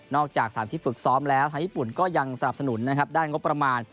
จาก๓ที่ฝึกซ้อมแล้วทางญี่ปุ่นก็ยังสนับสนุนนะครับด้านงบประมาณ